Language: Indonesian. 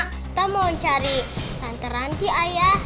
kita mau cari tante ranti ayah